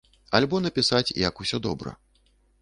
Альбо напісаць, як усё добра.